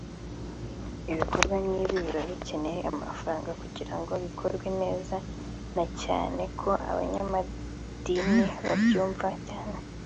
Ibikorwa nk’ibi biba bikeneye amafaranga kugira ngo bikorwe neza na cyane ko abanyamadini babyumva cyane